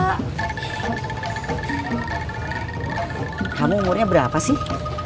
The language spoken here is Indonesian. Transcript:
kamu umurnya berapa sih